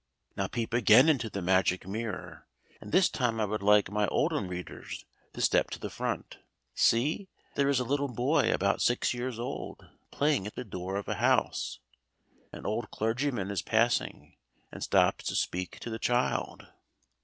Now peep again into the Magic Mirror. And this time I would like my Oldham readers to step to the front. See, there is a little boy about six years old playing at the door of a house. An old clergyman is passing, and stops to speak to the child.